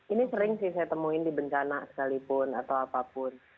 ini sering sih saya temuin di bencana sekalipun atau apapun